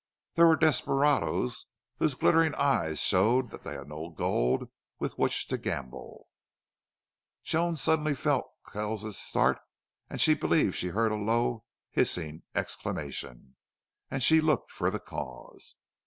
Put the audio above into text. There were desperados whose glittering eyes showed they had no gold with which to gamble. Joan suddenly felt Kells start and she believed she heard a low, hissing exclamation. And she looked for the cause.